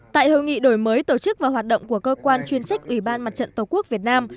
tại hội nghị đổi mới tổ chức và hoạt động của cơ quan chuyên trách ủy ban mặt trận tổ quốc việt nam